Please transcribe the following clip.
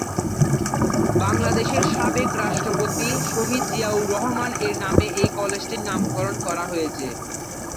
বাংলাদেশের সাবেক রাষ্ট্রপতি শহীদ জিয়াউর রহমান এর নামে এই কলেজটির নামকরণ করা হয়েছে।